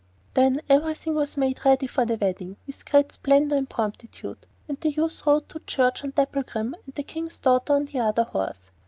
Then everything was made ready for the wedding with great splendour and promptitude, and the youth rode to church on Dapplegrim, and the King's daughter on the other horse.